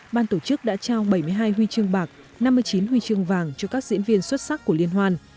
ban tổ chức đã trao bảy mươi hai huy chương bạc năm mươi chín huy chương vàng cho các diễn viên xuất sắc của liên hoan